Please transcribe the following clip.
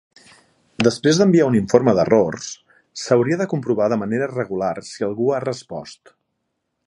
Després d'enviar un informe d'errors, s'hauria de comprovar de manera regular si algú ha respost.